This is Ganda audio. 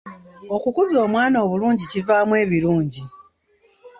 Okukuza omwana obulungi kivaamu ebirungi.